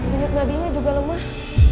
lihat labinya juga lemah